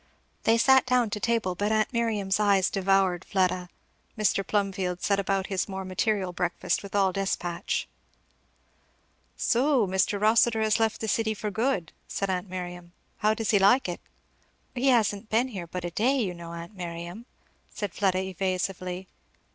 They sat down to table, but aunt Miriam's eyes devoured Fleda. Mr. Plum field set about his more material breakfast with all despatch. [Illustration: "They will expect me at home."] "So Mr. Rossitur has left the city for good," said aunt Miriam. "How does he like it?" "He hasn't been here but a day, you know, aunt Miriam," said Fleda evasively.